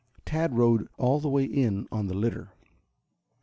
Tad rode all the way in on the litter.